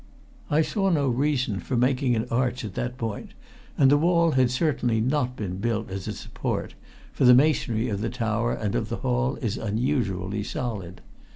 I saw no reason for making an arch at that point, and the wall had certainly not been built as a support, for the masonry of the tower and of the hall is unusually solid.